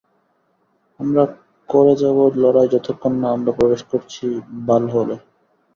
আমরা করে যাবো লড়াই যতক্ষণ না আমরা প্রবেশ করছি ভালহোলে।